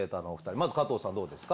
まず加藤さんどうですか？